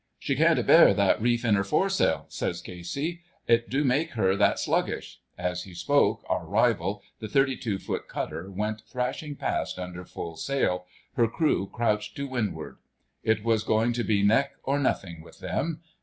"She can't abear that reef in her foresail," says Casey; "it do make her that sluggish." As he spoke, our rival, the 32 ft. cutter, went thrashing past under full sail, her crew crouched to windward. It was going to be neck or nothing with them.